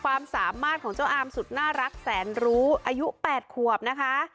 ความสามารถของเจ้าอามสุดน่ารักแสนรู้อายุ๘ขวบนะคะ